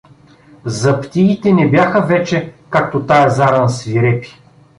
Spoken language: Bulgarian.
Заптиите не бяха вече, както тая заран, свирепи.